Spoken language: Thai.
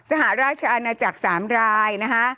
สหราชอาณาจักร๓รายนะคะ